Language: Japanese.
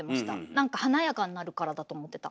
なんか華やかになるからだと思ってた。